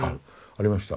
ありました。